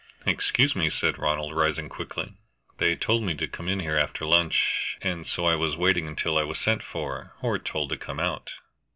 "Excuse me," said Ronald, rising quickly. "They told me to come in here after lunch, and so I was waiting until I was sent for, or told to come out."